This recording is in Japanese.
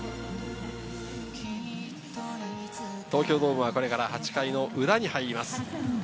東京ドームはこれから８回の裏に入ります。